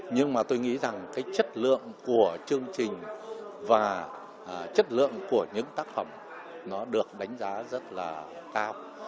nhưng mà tôi nghĩ rằng cái chất lượng của chương trình và chất lượng của những tác phẩm nó được đánh giá rất là cao